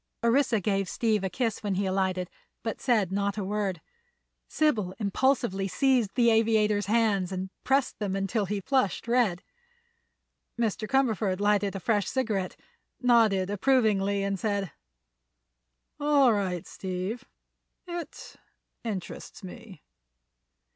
Orissa gave Steve a kiss when he alighted, but said not a word. Sybil impulsively seized the aviator's hands and pressed them until he flushed red. Mr. Cumberford lighted a fresh cigarette, nodded approvingly and said: "All right, Steve. It—interests me."